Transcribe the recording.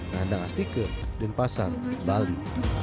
ngandang astike dan pasar bali